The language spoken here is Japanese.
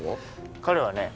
彼はね